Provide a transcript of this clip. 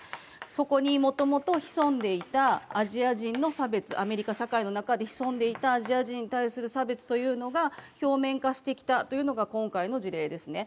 そこにもともと潜んでいたアジア人の差別、アメリカ社会に潜んでいたアジア人の差別が表面化してきたというのが今回の事例ですね。